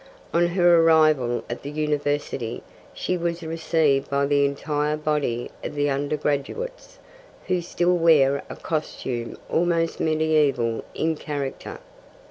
On her arrival at the University, she was received by the entire body of the undergraduates, who still wear a costume almost mediaeval in character.